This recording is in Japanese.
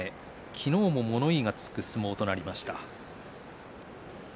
昨日も物言いのつく相撲となりました。